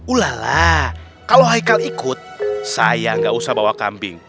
ulalah kalau haikal ikut saya gak usah bawa kambing